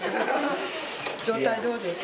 状態どうですか？